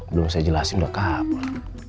belum saya jelasin udah kabur